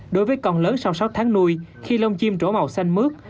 đối với con lớn sau sáu tháng nuôi khi lông chim trổ màu xanh mướt